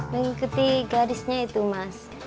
mengikuti garisnya itu mas